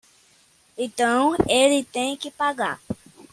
Então ele tem que pagar